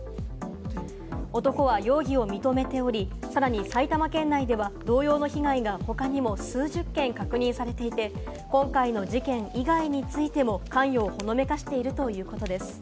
男は容疑を認めており、さらに埼玉県内では同様の被害が他にも数十件確認されていて、今回の事件以外についても関与をほのめかしているということです。